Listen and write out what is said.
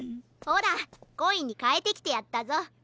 ほらコインにかえてきてやったぞ。